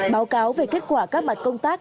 báo cáo về kết quả các mặt công tác